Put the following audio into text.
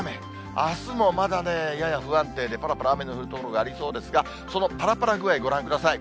あすもまだね、やや不安定で、ぱらぱら雨の降る所がありそうですが、そのぱらぱら具合ご覧ください。